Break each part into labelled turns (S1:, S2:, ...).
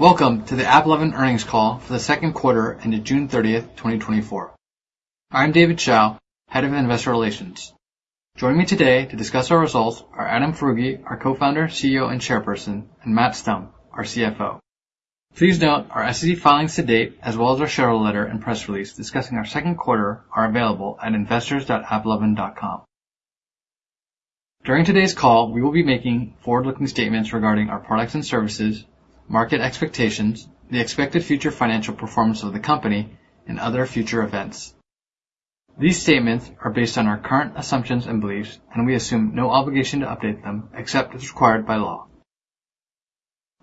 S1: Welcome to the AppLovin earnings call for the second quarter ended June 30, 2024. I'm David Hsiao, Head of Investor Relations. Joining me today to discuss our results are Adam Foroughi, our Co-founder, CEO, and Chairperson, and Matt Stumpf, our CFO. Please note our SEC filings to date, as well as our shareholder letter and press release discussing our second quarter are available at investors.applovin.com. During today's call, we will be making forward-looking statements regarding our products and services, market expectations, the expected future financial performance of the company, and other future events. These statements are based on our current assumptions and beliefs, and we assume no obligation to update them except as required by law.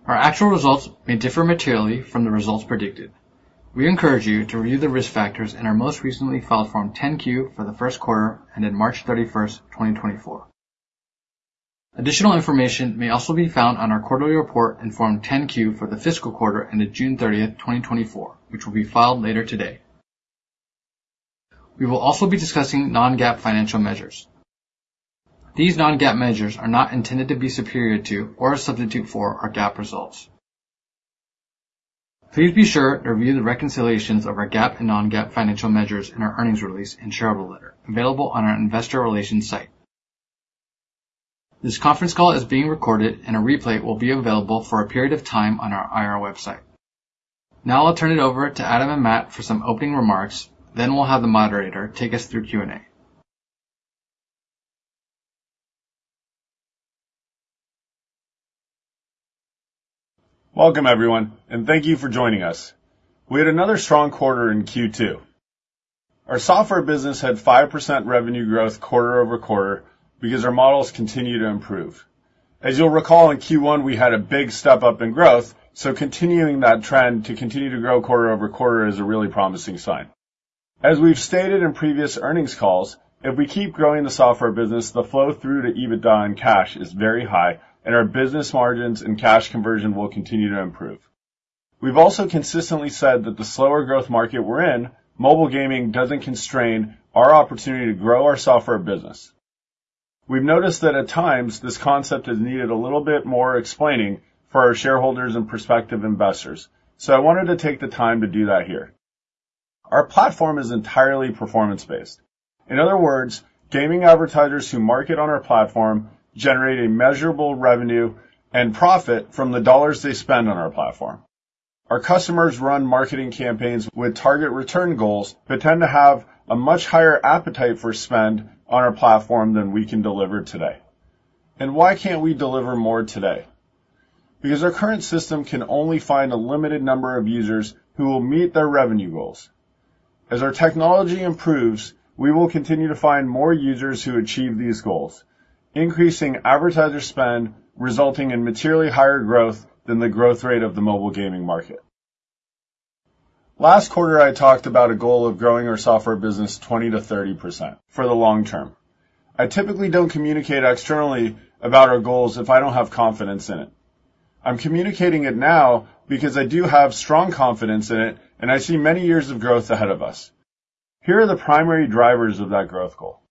S1: Our actual results may differ materially from the results predicted. We encourage you to review the risk factors in our most recently filed Form 10-Q for the first quarter, ending March 31, 2024. Additional information may also be found on our quarterly report and Form 10-Q for the fiscal quarter ended June 30, 2024, which will be filed later today. We will also be discussing non-GAAP financial measures. These non-GAAP measures are not intended to be superior to or a substitute for our GAAP results. Please be sure to review the reconciliations of our GAAP and non-GAAP financial measures in our earnings release and shareholder letter available on our investor relations site. This conference call is being recorded, and a replay will be available for a period of time on our IR website. Now I'll turn it over to Adam and Matt for some opening remarks, then we'll have the moderator take us through Q&A.
S2: Welcome, everyone, and thank you for joining us. We had another strong quarter in Q2. Our software business had 5% revenue growth quarter-over-quarter because our models continue to improve. As you'll recall, in Q1, we had a big step-up in growth, so continuing that trend to continue to grow quarter-over-quarter is a really promising sign. As we've stated in previous earnings calls, if we keep growing the software business, the flow-through to EBITDA and cash is very high, and our business margins and cash conversion will continue to improve. We've also consistently said that the slower growth market we're in, mobile gaming, doesn't constrain our opportunity to grow our software business. We've noticed that at times, this concept has needed a little bit more explaining for our shareholders and prospective investors, so I wanted to take the time to do that here. Our platform is entirely performance-based. In other words, gaming advertisers who market on our platform generate a measurable revenue and profit from the dollars they spend on our platform. Our customers run marketing campaigns with target return goals that tend to have a much higher appetite for spend on our platform than we can deliver today. Why can't we deliver more today? Because our current system can only find a limited number of users who will meet their revenue goals. As our technology improves, we will continue to find more users who achieve these goals, increasing advertiser spend, resulting in materially higher growth than the growth rate of the mobile gaming market. Last quarter, I talked about a goal of growing our software business 20%-30% for the long term. I typically don't communicate externally about our goals if I don't have confidence in it. I'm communicating it now because I do have strong confidence in it, and I see many years of growth ahead of us. Here are the primary drivers of that growth goal.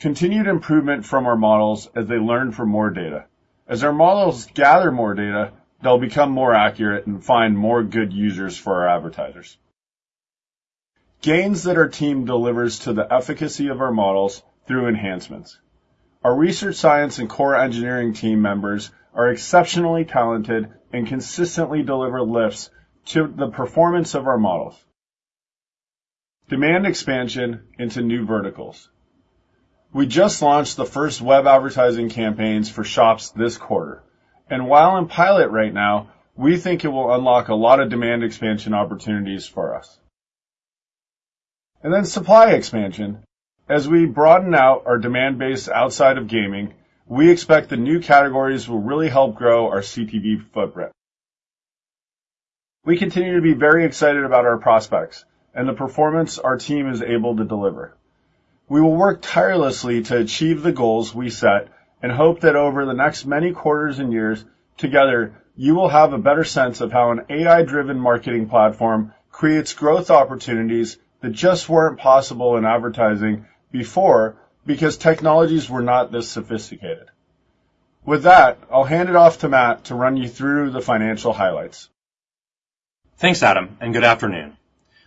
S2: Continued improvement from our models as they learn from more data. As our models gather more data, they'll become more accurate and find more good users for our advertisers. Gains that our team delivers to the efficacy of our models through enhancements. Our research, science, and core engineering team members are exceptionally talented and consistently deliver lifts to the performance of our models. Demand expansion into new verticals. We just launched the first web advertising campaigns for shops this quarter, and while in pilot right now, we think it will unlock a lot of demand expansion opportunities for us. And then supply expansion. As we broaden out our demand base outside of gaming, we expect the new categories will really help grow our CTV footprint. We continue to be very excited about our prospects and the performance our team is able to deliver. We will work tirelessly to achieve the goals we set and hope that over the next many quarters and years together, you will have a better sense of how an AI-driven marketing platform creates growth opportunities that just weren't possible in advertising before because technologies were not this sophisticated. With that, I'll hand it off to Matt to run you through the financial highlights.
S3: Thanks Adam, and good afternoon.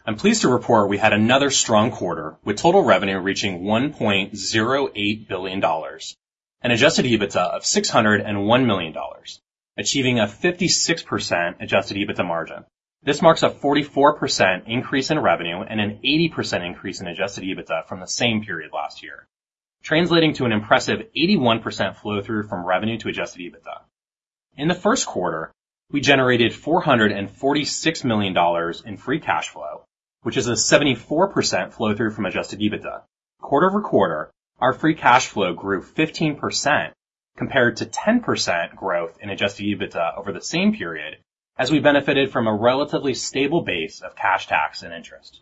S3: I'm pleased to report we had another strong quarter, with total revenue reaching $1.08 billion, an Adjusted EBITDA of $601 million, achieving a 56% Adjusted EBITDA margin. This marks a 44% increase in revenue and an 80% increase in Adjusted EBITDA from the same period last year, translating to an impressive 81% flow-through from revenue to Adjusted EBITDA. In the first quarter, we generated $446 million in free cash flow, which is a 74% flow-through from Adjusted EBITDA. Quarter-over-quarter, our free cash flow grew 15% compared to 10% growth in Adjusted EBITDA over the same period, as we benefited from a relatively stable base of cash, tax, and interest.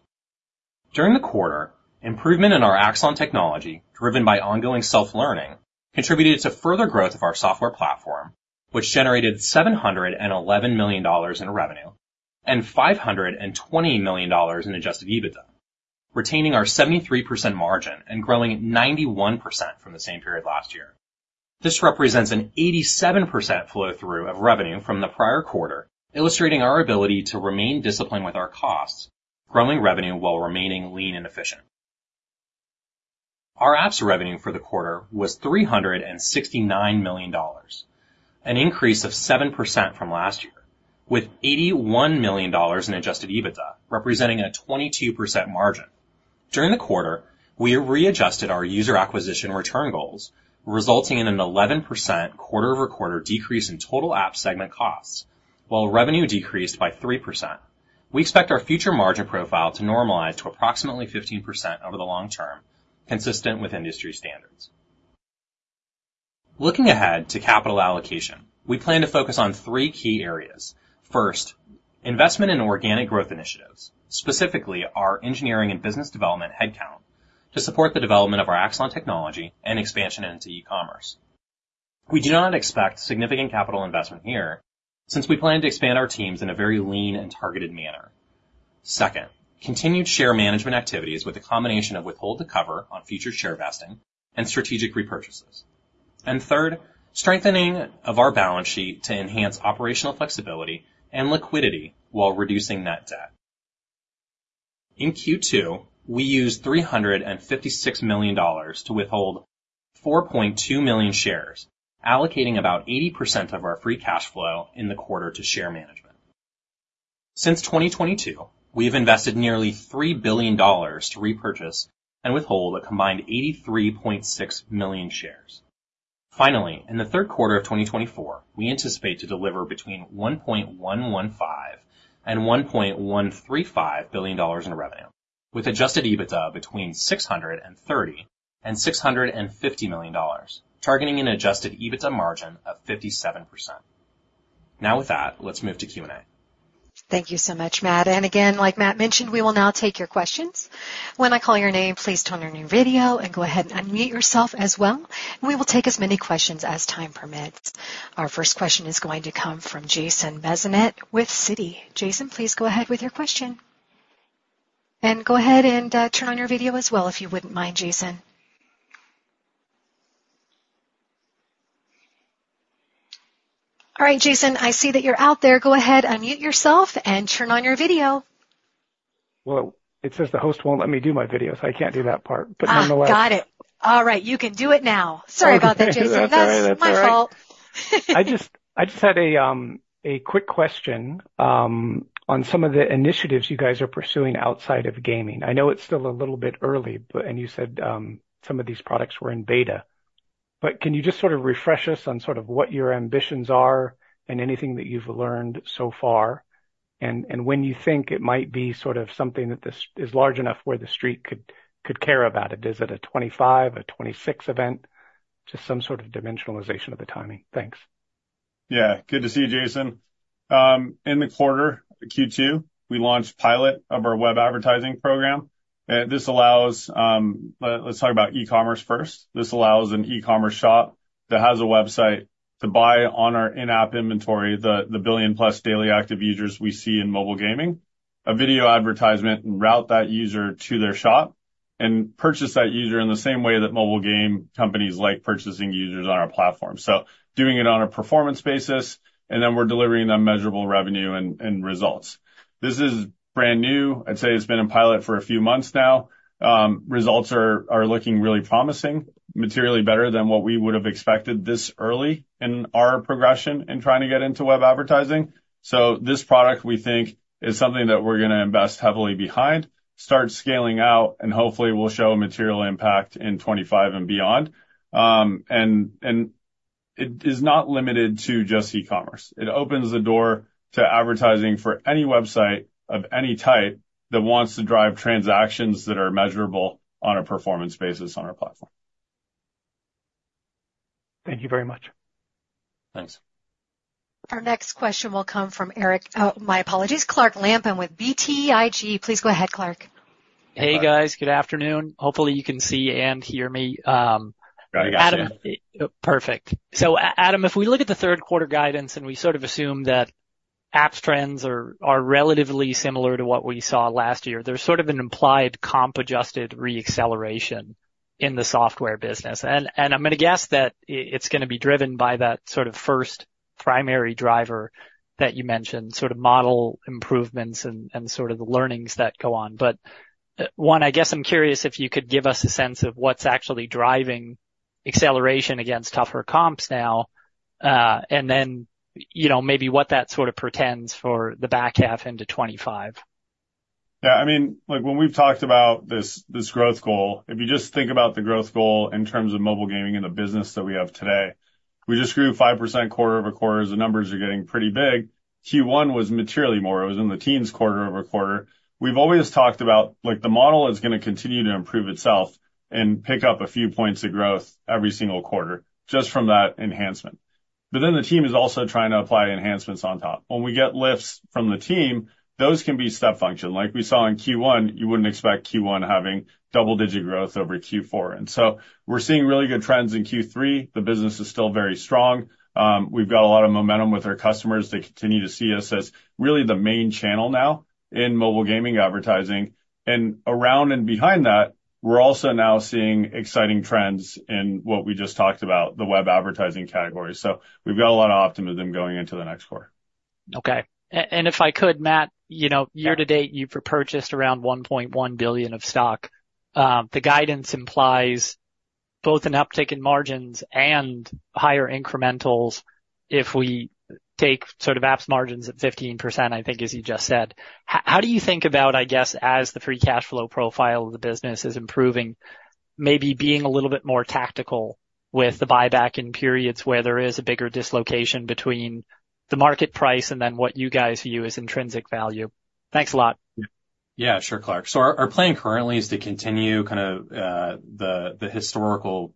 S3: During the quarter, improvement in our Axon technology, driven by ongoing self-learning, contributed to further growth of our software platform, which generated $711 million in revenue and $520 million in Adjusted EBITDA. Retaining our 73% margin and growing 91% from the same period last year. This represents an 87% flow through of revenue from the prior quarter, illustrating our ability to remain disciplined with our costs, growing revenue while remaining lean and efficient. Our apps revenue for the quarter was $369 million, an increase of 7% from last year, with $81 million in Adjusted EBITDA, representing a 22% margin. During the quarter, were adjusted our user acquisition return goals, resulting in an 11% quarter-over-quarter decrease in total app segment costs, while revenue decreased by 3%. We expect our future margin profile to normalize to approximately 15% over the long term, consistent with industry standards. Looking ahead to capital allocation, we plan to focus on three key areas. First, investment in organic growth initiatives, specifically our engineering and business development headcount, to support the development of our Axon technology and expansion into e-commerce. We do not expect significant capital investment here, since we plan to expand our teams in a very lean and targeted manner. Second, continued share management activities with a combination of withhold to cover on future share vesting and strategic repurchases. And third, strengthening of our balance sheet to enhance operational flexibility and liquidity while reducing net debt. In Q2, we used $356 million to withhold 4.2 million shares, allocating about 80% of our free cash flow in the quarter to share management. Since 2022, we have invested nearly $3 billion to repurchase and withhold a combined 83.6 million shares. Finally, in the third quarter of 2024, we anticipate to deliver between $1.115 billion and $1.135 billion in revenue, with Adjusted EBITDA between $630 million and $650 million, targeting an Adjusted EBITDA margin of 57%. Now with that, let's move to Q&A.
S4: Thank you so much, Matt. And again, like Matt mentioned, we will now take your questions. When I call your name, please turn on your video and go ahead and unmute yourself as well. And we will take as many questions as time permits. Our first question is going to come from Jason Bazinet with Citi. Jason, please go ahead with your question. And go ahead and turn on your video as well, if you wouldn't mind, Jason. All right, Jason, I see that you're out there. Go ahead, unmute yourself and turn on your video.
S5: Well, it says the host won't let me do my video, so I can't do that part, but nonetheless-.
S4: Ah, got it! All right, you can do it now. Sorry about that, Jason.
S5: That's all right.
S4: That's my fault.
S5: I just had a quick question on some of the initiatives you guys are pursuing outside of gaming. I know it's still a little bit early, but... And you said some of these products were in beta. But can you just sort of refresh us on sort of what your ambitions are and anything that you've learned so far, and when you think it might be sort of something that this is large enough where the street could care about it? Is it a 2025, a 2026 event? Just some sort of dimensionalization of the timing. Thanks.
S2: Yeah, good to see you, Jason. In the quarter, Q2, we launched pilot of our web advertising program. This allows... Let's talk about e-commerce first. This allows an e-commerce shop that has a website to buy on our in-app inventory, the 1 billion-plus daily active users we see in mobile gaming, a video advertisement, and route that user to their shop and purchase that user in the same way that mobile game companies like purchasing users on our platform. So doing it on a performance basis, and then we're delivering on measurable revenue and results. This is brand new. I'd say it's been in pilot for a few months now. Results are looking really promising, materially better than what we would have expected this early in our progression in trying to get into web advertising. So this product, we think, is something that we're gonna invest heavily behind, start scaling out, and hopefully will show a material impact in 2025 and beyond. And it is not limited to just e-commerce. It opens the door to advertising for any website of any type that wants to drive transactions that are measurable on a performance basis on our platform.
S5: Thank you very much.
S2: Thanks.
S4: Our next question will come from Eric. Oh, my apologies, Clark Lampen with BTIG. Please go ahead, Clark.
S6: Hey, guys. Good afternoon. Hopefully, you can see and hear me.
S2: Yeah, we got you.
S6: Perfect. So Adam, if we look at the third quarter guidance, and we sort of assume that apps trends are relatively similar to what we saw last year, there's sort of an implied comp-adjusted re-acceleration in the software business. And I'm gonna guess that it's gonna be driven by that sort of first primary driver that you mentioned, sort of model improvements and sort of the learnings that go on. But one, I guess I'm curious if you could give us a sense of what's actually driving acceleration against tougher comps now, and then, you know, maybe what that sort of portends for the back half into 25.
S2: Yeah, I mean, like, when we've talked about this, this growth goal, if you just think about the growth goal in terms of mobile gaming and the business that we have today, we just grew 5% quarter-over-quarter. The numbers are getting pretty big. Q1 was materially more. It was in the teens quarter-over-quarter. We've always talked about, like, the model is gonna continue to improve itself and pick up a few points of growth every single quarter, just from that enhancement. But then the team is also trying to apply enhancements on top. When we get lifts from the team, those can be step function. Like we saw in Q1, you wouldn't expect Q1 having double-digit growth over Q4. And so we're seeing really good trends in Q3. The business is still very strong. We've got a lot of momentum with our customers. They continue to see us as really the main channel now in mobile gaming advertising.... around and behind that, we're also now seeing exciting trends in what we just talked about, the web advertising category. So we've got a lot of optimism going into the next quarter.
S6: Okay. And if I could, Matt, you know, year to date, you've repurchased around $1.1 billion of stock. The guidance implies both an uptick in margins and higher incrementals if we take sort of apps margins at 15%, I think, as you just said. How do you think about, I guess, as the free cash flow profile of the business is improving, maybe being a little bit more tactical with the buyback in periods where there is a bigger dislocation between the market price and then what you guys view as intrinsic value? Thanks a lot.
S3: Yeah, sure, Clark. So our plan currently is to continue kind of the historical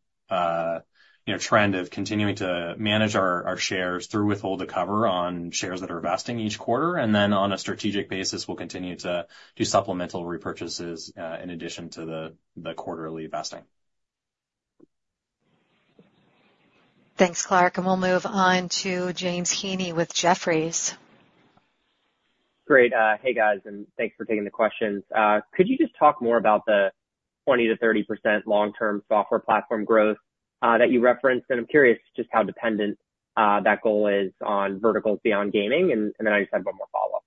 S3: you know trend of continuing to manage our shares through withhold to cover on shares that are vesting each quarter. And then on a strategic basis, we'll continue to do supplemental repurchases in addition to the quarterly vesting.
S4: Thanks, Clark, and we'll move on to James Heaney with Jefferies.
S7: Great. Hey, guys, and thanks for taking the questions. Could you just talk more about the 20%-30% long-term software platform growth that you referenced? And I'm curious just how dependent that goal is on verticals beyond gaming, and, and then I just have one more follow-up.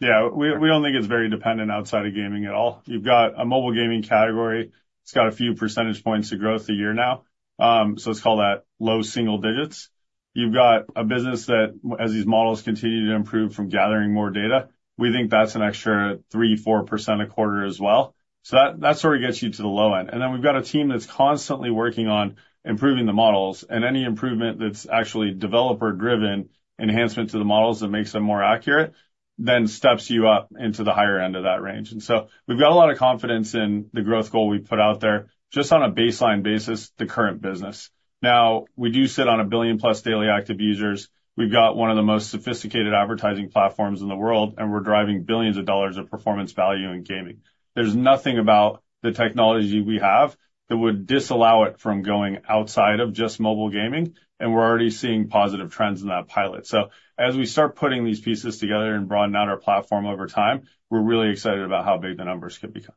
S2: Yeah, we don't think it's very dependent outside of gaming at all. You've got a mobile gaming category. It's got a few percentage points of growth a year now. So let's call that low single digits. You've got a business that, as these models continue to improve from gathering more data, we think that's an extra 3%-4% a quarter as well. So that sort of gets you to the low end. And then we've got a team that's constantly working on improving the models, and any improvement that's actually developer-driven enhancement to the models that makes them more accurate, then steps you up into the higher end of that range. And so we've got a lot of confidence in the growth goal we've put out there, just on a baseline basis, the current business. Now, we do sit on a billion-plus daily active users. We've got one of the most sophisticated advertising platforms in the world, and we're driving billions of dollars of performance value in gaming. There's nothing about the technology we have that would disallow it from going outside of just mobile gaming, and we're already seeing positive trends in that pilot. So as we start putting these pieces together and broadening out our platform over time, we're really excited about how big the numbers could become.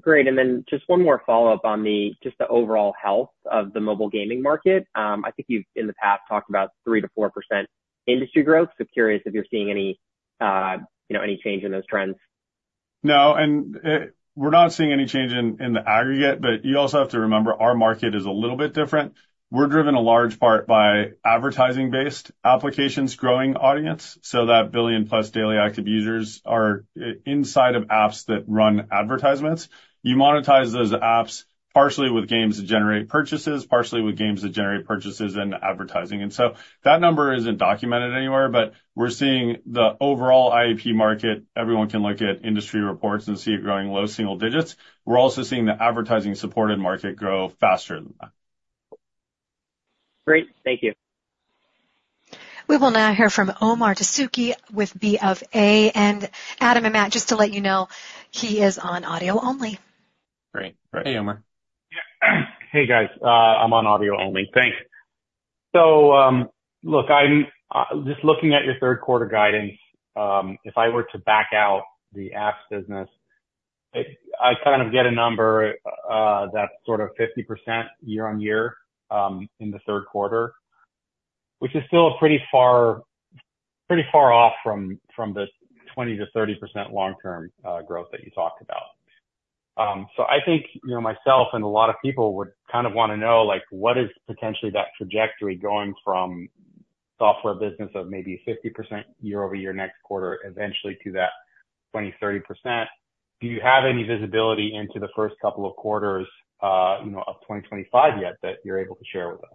S7: Great. And then just one more follow-up on just the overall health of the mobile gaming market. I think you've, in the past, talked about 3%-4% industry growth. So curious if you're seeing any, you know, any change in those trends.
S2: No, and we're not seeing any change in the aggregate, but you also have to remember, our market is a little bit different. We're driven a large part by advertising-based applications growing audience, so that 1 billion-plus daily active users are inside of apps that run advertisements. You monetize those apps partially with games that generate purchases, partially with games that generate purchases and advertising. And so that number isn't documented anywhere, but we're seeing the overall IAP market. Everyone can look at industry reports and see it growing low single digits. We're also seeing the advertising-supported market grow faster than that.
S7: Great. Thank you.
S4: We will now hear from Omar Dessouky with BofA, and Adam and Matt, just to let you know, he is on audio only.
S3: Great. Hey, Omar.
S8: Yeah. Hey, guys. I'm on audio only. Thanks. So, look, I'm just looking at your third quarter guidance, if I were to back out the apps business, I kind of get a number that's sort of 50% year-over-year in the third quarter, which is still pretty far, pretty far off from the 20%-30% long-term growth that you talked about. So I think, you know, myself and a lot of people would kind of wanna know, like, what is potentially that trajectory going from software business of maybe 50% year-over-year next quarter, eventually to that 20%-30%. Do you have any visibility into the first couple of quarters of 2025 yet that you're able to share with us?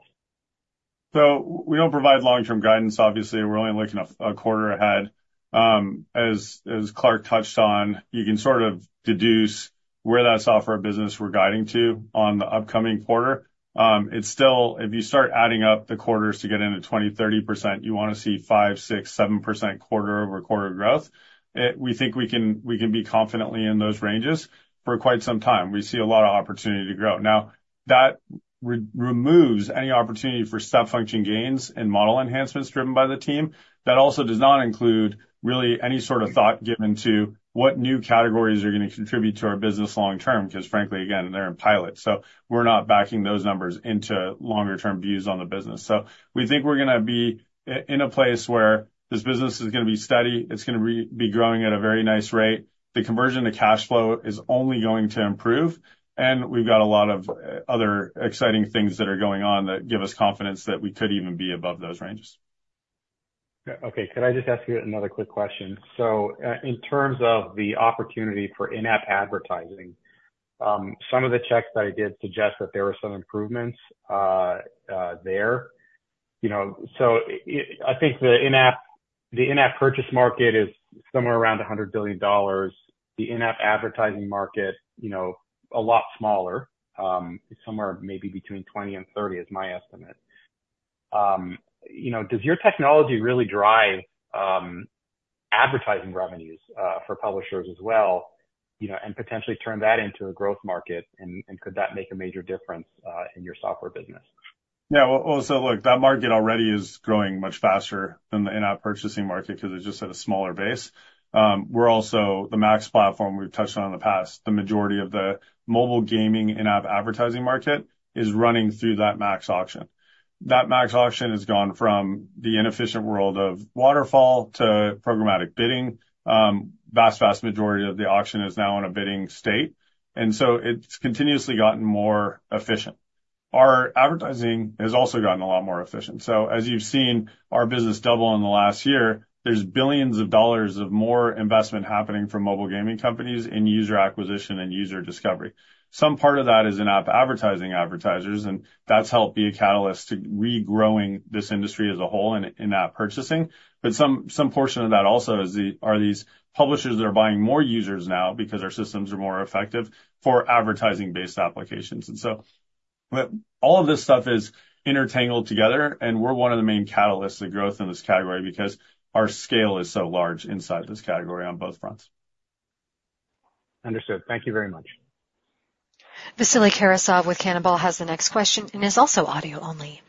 S2: So we don't provide long-term guidance, obviously. We're only looking a quarter ahead. As Clark touched on, you can sort of deduce where that software business we're guiding to on the upcoming quarter. It's still... If you start adding up the quarters to get into 20%-30%, you wanna see 5%, 6%, 7% quarter-over-quarter growth. We think we can be confidently in those ranges for quite some time. We see a lot of opportunity to grow. Now, that removes any opportunity for step function gains and model enhancements driven by the team. That also does not include really any sort of thought given to what new categories are gonna contribute to our business long-term, because frankly, again, they're in pilot, so we're not backing those numbers into longer-term views on the business. So we think we're gonna be in a place where this business is gonna be steady, it's gonna be growing at a very nice rate. The conversion to cash flow is only going to improve, and we've got a lot of other exciting things that are going on that give us confidence that we could even be above those ranges.
S8: Yeah. Okay. Could I just ask you another quick question? So, in terms of the opportunity for in-app advertising, some of the checks that I did suggest that there were some improvements, there. You know, so I think the in-app, the in-app purchase market is somewhere around $100 billion. The in-app advertising market, you know, a lot smaller, somewhere maybe between $20 billion and $30 billion is my estimate. You know, does your technology really drive, advertising revenues, for publishers as well, you know, and potentially turn that into a growth market, and could that make a major difference, in your software business?
S2: Yeah, well, also, look, that market already is growing much faster than the in-app purchasing market because it's just at a smaller base. We're also the MAX platform we've touched on in the past. The majority of the mobile gaming in-app advertising market is running through that MAX auction. That MAX auction has gone from the inefficient world of waterfall to programmatic bidding. Vast, vast majority of the auction is now in a bidding state, and so it's continuously gotten more efficient. Our advertising has also gotten a lot more efficient. So as you've seen our business double in the last year, there's $billions of more investment happening from mobile gaming companies in user acquisition and user discovery. Some part of that is in-app advertising advertisers, and that's helped be a catalyst to regrowing this industry as a whole in in-app purchasing. But some portion of that also are these publishers that are buying more users now because our systems are more effective for advertising-based applications. But all of this stuff is intertangled together, and we're one of the main catalysts of growth in this category because our scale is so large inside this category on both fronts.
S8: Understood. Thank you very much.
S4: Vasily Karasov with Canaccord has the next question and is also audio only.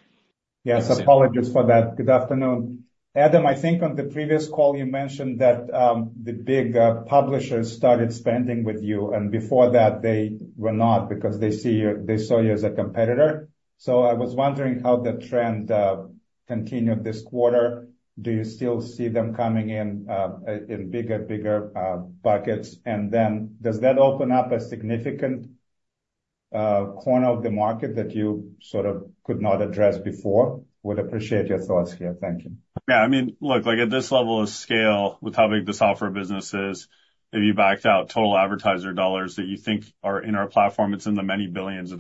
S9: Yes, apologies for that. Good afternoon. Adam, I think on the previous call, you mentioned that the big publishers started spending with you, and before that, they were not because they see you, they saw you as a competitor. So I was wondering how the trend continued this quarter. Do you still see them coming in in bigger and bigger buckets? And then does that open up a significant corner of the market that you sort of could not address before? Would appreciate your thoughts here. Thank you.
S2: Yeah, I mean, look, like, at this level of scale, with how big the software business is, if you backed out total advertiser dollars that you think are in our platform, it's in the many $ billions.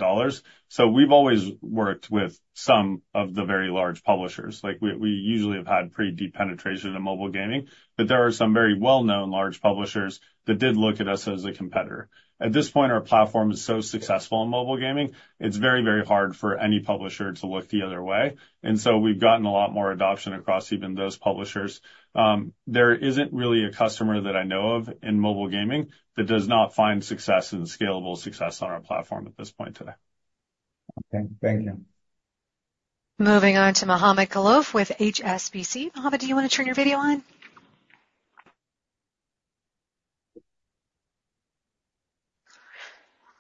S2: So we've always worked with some of the very large publishers. Like, we, we usually have had pretty deep penetration in mobile gaming, but there are some very well-known large publishers that did look at us as a competitor. At this point, our platform is so successful in mobile gaming, it's very, very hard for any publisher to look the other way. And so we've gotten a lot more adoption across even those publishers. There isn't really a customer that I know of in mobile gaming that does not find success and scalable success on our platform at this point today.
S9: Okay, thank you.
S4: Moving on to Mohammed Khallouf with HSBC. Mohammed, do you want to turn your video on?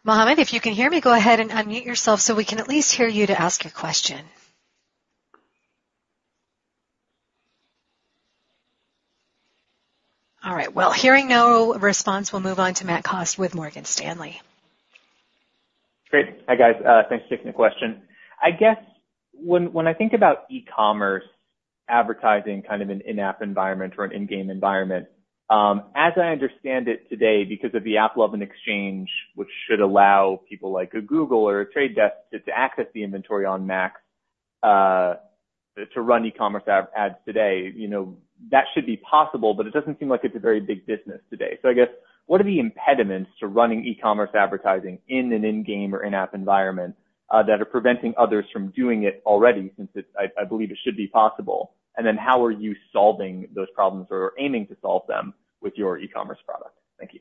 S4: Mohammed, if you can hear me, go ahead and unmute yourself so we can at least hear you to ask a question. All right, well, hearing no response, we'll move on to Matt Kost with Morgan Stanley.
S10: Great. Hi, guys. Thanks, taking the question. I guess when, when I think about e-commerce advertising, kind of an in-app environment or an in-game environment, as I understand it today, because of the Apple open exchange, which should allow people like a Google or The Trade Desk to, to access the inventory on MAX, to run e-commerce ad, ads today, you know, that should be possible, but it doesn't seem like it's a very big business today. So I guess, what are the impediments to running e-commerce advertising in an in-game or in-app environment, that are preventing others from doing it already, since it's... I, I believe it should be possible? And then how are you solving those problems or aiming to solve them with your e-commerce product? Thank you.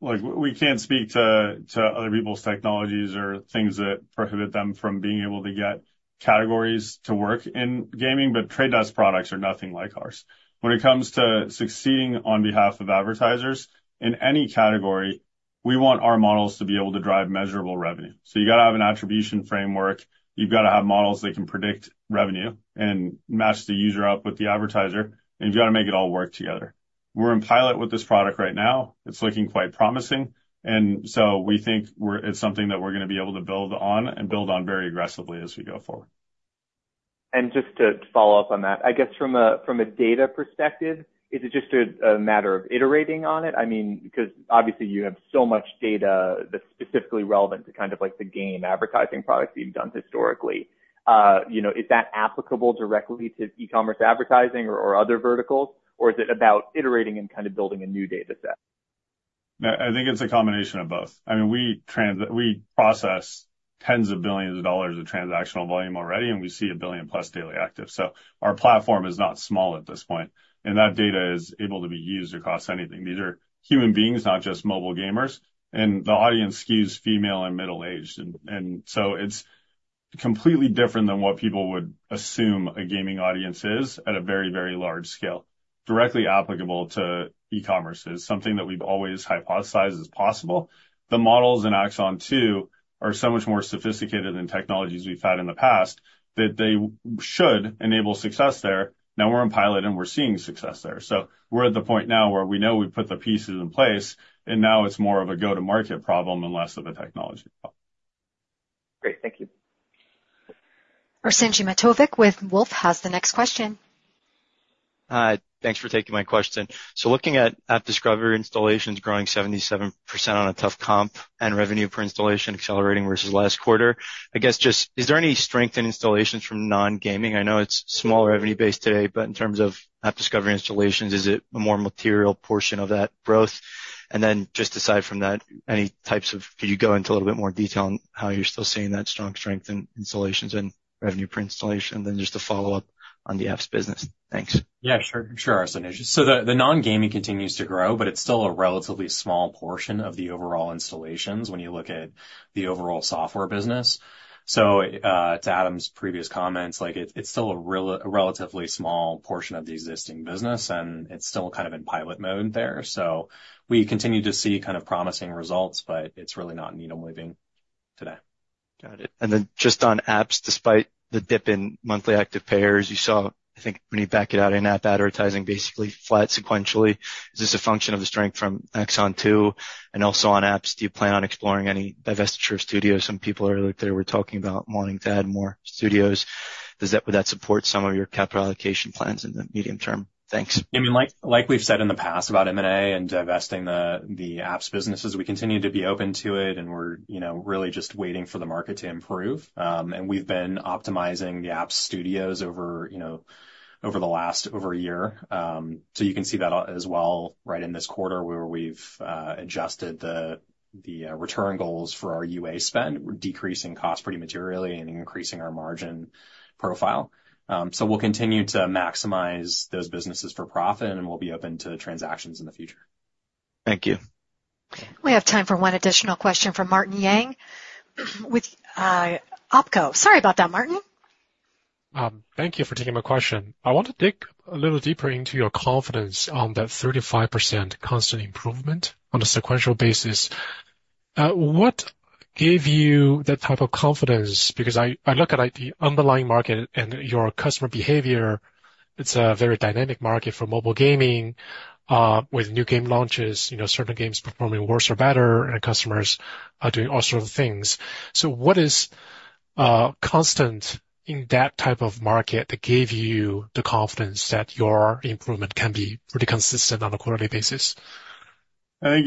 S2: Like, we can't speak to other people's technologies or things that prohibit them from being able to get categories to work in gaming, but Trade Desk products are nothing like ours. When it comes to succeeding on behalf of advertisers in any category, we want our models to be able to drive measurable revenue. So you've got to have an attribution framework, you've got to have models that can predict revenue and match the user up with the advertiser, and you've got to make it all work together. We're in pilot with this product right now. It's looking quite promising, and so we think it's something that we're going to be able to build on and build on very aggressively as we go forward.
S10: Just to follow up on that, I guess from a data perspective, is it just a matter of iterating on it? I mean, because obviously you have so much data that's specifically relevant to kind of like the game advertising products that you've done historically. You know, is that applicable directly to e-commerce advertising or other verticals? Or is it about iterating and kind of building a new data set?
S2: Yeah, I think it's a combination of both. I mean, we process tens of billions of dollars of transactional volume already, and we see 1 billion-plus daily active, so our platform is not small at this point, and that data is able to be used across anything. These are human beings, not just mobile gamers, and the audience skews female and middle-aged. And so it's completely different than what people would assume a gaming audience is at a very, very large scale, directly applicable to e-commerce is something that we've always hypothesized as possible. The models in Axon 2 are so much more sophisticated than technologies we've had in the past, that they should enable success there. Now we're in pilot, and we're seeing success there. We're at the point now where we know we've put the pieces in place, and now it's more of a go-to-market problem and less of a technology problem.
S10: Great. Thank you.
S4: Arsenije Matovic with Wolfe has the next question.
S11: Hi, thanks for taking my question. So looking at app discovery, installations growing 77% on a tough comp and revenue per installation accelerating versus last quarter, I guess just... is there any strength in installations from non-gaming? I know it's small revenue base today, but in terms of app discovery installations, is it a more material portion of that growth? And then, just aside from that, any types of- could you go into a little bit more detail on how you're still seeing that strong strength in installations and revenue per installation? Then just to follow up on the apps business. Thanks.
S3: Yeah, sure. Sure, Arseniy. So the non-gaming continues to grow, but it's still a relatively small portion of the overall installations when you look at the overall software business. So, to Adam's previous comments, like, it's still a relatively small portion of the existing business, and it's still kind of in pilot mode there. So we continue to see kind of promising results, but it's really not needle-moving....
S11: Got it. And then just on apps, despite the dip in monthly active payers, you saw, I think, when you back it out, in-app advertising basically flat sequentially. Is this a function of the strength from Axon 2? And also on apps, do you plan on exploring any divestiture of studios? Some people earlier today were talking about wanting to add more studios. Would that support some of your capital allocation plans in the medium term? Thanks.
S2: I mean, like, like we've said in the past about M&A and divesting the apps businesses, we continue to be open to it, and we're, you know, really just waiting for the market to improve. And we've been optimizing the apps studios over, you know, the last year. So you can see that as well, right in this quarter, where we've adjusted the return goals for our UA spend. We're decreasing costs pretty materially and increasing our margin profile. So we'll continue to maximize those businesses for profit, and we'll be open to transactions in the future.
S11: Thank you.
S4: We have time for one additional question from Martin Yang with OpCo. Sorry about that, Martin.
S12: Thank you for taking my question. I want to dig a little deeper into your confidence on that 35% constant improvement on a sequential basis. What gave you that type of confidence? Because I look at, like, the underlying market and your customer behavior. It's a very dynamic market for mobile gaming, with new game launches, you know, certain games performing worse or better, and customers are doing all sort of things. So what is constant in that type of market that gave you the confidence that your improvement can be pretty consistent on a quarterly basis?
S2: I think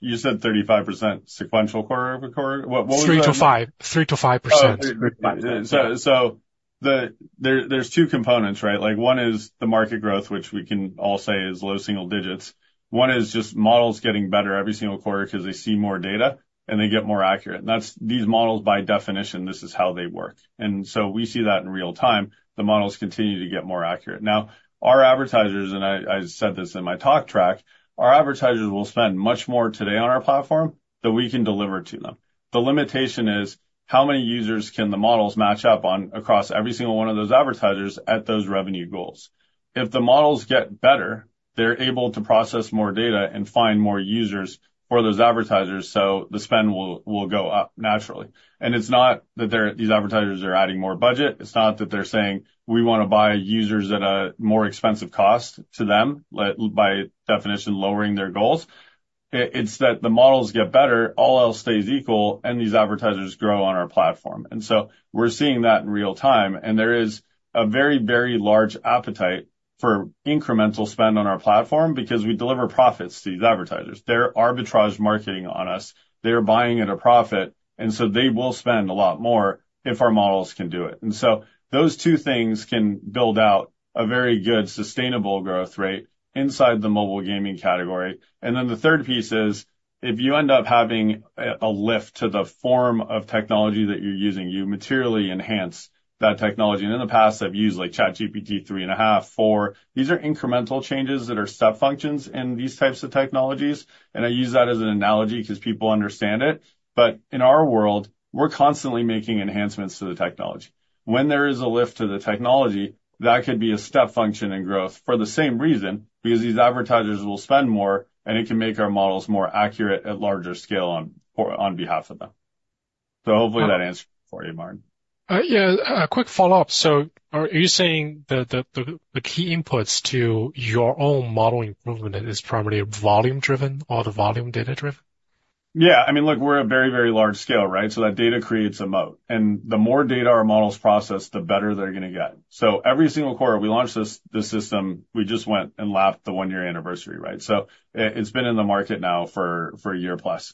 S2: you said 35% sequential quarter-over-quarter? What was the-
S12: 3 to 5. 3%-5%.
S2: Oh, 3-5. So, the... There, there's two components, right? Like, one is the market growth, which we can all say is low single digits. One is just models getting better every single quarter 'cause they see more data, and they get more accurate. And that's, these models, by definition, this is how they work. And so we see that in real time. The models continue to get more accurate. Now, our advertisers, and I said this in my talk track, our advertisers will spend much more today on our platform than we can deliver to them. The limitation is, how many users can the models match up on across every single one of those advertisers at those revenue goals? If the models get better, they're able to process more data and find more users for those advertisers, so the spend will go up naturally. It's not that these advertisers are adding more budget. It's not that they're saying, "We wanna buy users at a more expensive cost to them," by definition, lowering their goals. It's that the models get better, all else stays equal, and these advertisers grow on our platform. And so we're seeing that in real time, and there is a very, very large appetite for incremental spend on our platform because we deliver profits to these advertisers. They're arbitrage marketing on us. They're buying at a profit, and so they will spend a lot more if our models can do it. And so those two things can build out a very good, sustainable growth rate inside the mobile gaming category. And then the third piece is, if you end up having a lift to the form of technology that you're using, you materially enhance that technology. And in the past, I've used, like, ChatGPT 3.5, 4. These are incremental changes that are step functions in these types of technologies, and I use that as an analogy 'cause people understand it. But in our world, we're constantly making enhancements to the technology. When there is a lift to the technology, that could be a step function in growth for the same reason, because these advertisers will spend more, and it can make our models more accurate at larger scale on, or on behalf of them. So hopefully that answers for you, Martin.
S12: Yeah, a quick follow-up. So are you saying that the key inputs to your own model improvement is primarily volume driven or the volume data driven?
S2: Yeah. I mean, look, we're a very, very large scale, right? So that data creates a moat, and the more data our models process, the better they're gonna get. So every single quarter we launch this, this system, we just went and lapped the one-year anniversary, right? So it, it's been in the market now for a year plus.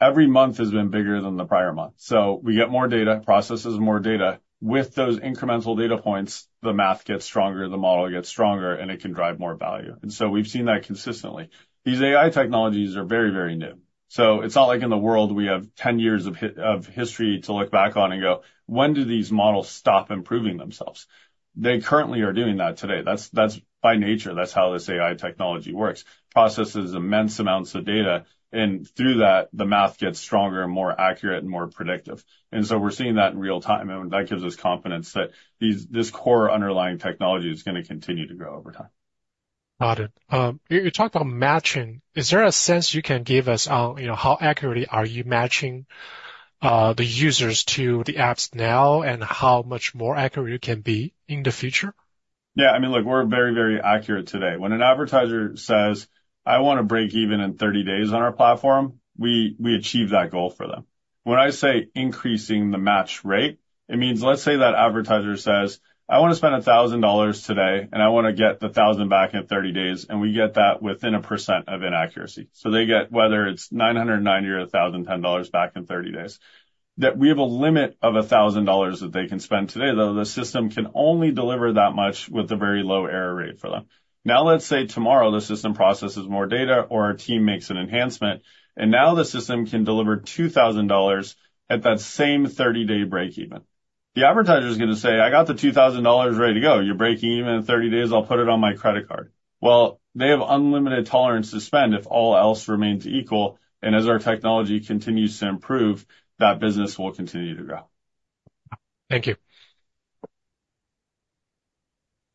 S2: Every month has been bigger than the prior month. So we get more data, processes more data. With those incremental data points, the math gets stronger, the model gets stronger, and it can drive more value. And so we've seen that consistently. These AI technologies are very, very new. So it's not like in the world we have 10 years of history to look back on and go, "When do these models stop improving themselves?" They currently are doing that today. That's, that's by nature, that's how this AI technology works. Processes immense amounts of data, and through that, the math gets stronger and more accurate and more predictive. And so we're seeing that in real time, and that gives us confidence that these, this core underlying technology is gonna continue to grow over time.
S12: Got it. You talked about matching. Is there a sense you can give us on, you know, how accurately are you matching the users to the apps now and how much more accurate you can be in the future?
S2: Yeah, I mean, look, we're very, very accurate today. When an advertiser says, "I wanna break even in 30 days on our platform," we, we achieve that goal for them. When I say increasing the match rate, it means, let's say that advertiser says, "I wanna spend $1,000 today, and I wanna get the $1,000 back in 30 days," and we get that within 1% of inaccuracy. So they get, whether it's 990 or 1,010 dollars back in 30 days, that we have a limit of $1,000 that they can spend today, though the system can only deliver that much with a very low error rate for them. Now, let's say tomorrow the system processes more data or our team makes an enhancement, and now the system can deliver $2,000 at that same 30-day break even. The advertiser is gonna say, "I got the $2,000 ready to go. You're breaking even in 30 days. I'll put it on my credit card." Well, they have unlimited tolerance to spend if all else remains equal, and as our technology continues to improve, that business will continue to grow.
S12: Thank you.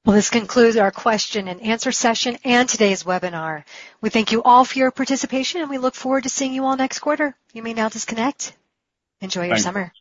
S4: Well, this concludes our question and answer session and today's webinar. We thank you all for your participation, and we look forward to seeing you all next quarter. You may now disconnect. Enjoy your summer.